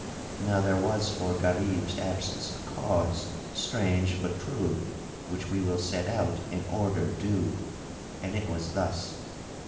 Now there was for Gharib's absence a cause strange but true which we will set out in order due. And it was thus.